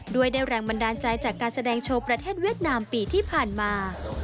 ได้แรงบันดาลใจจากการแสดงโชว์ประเทศเวียดนามปีที่ผ่านมา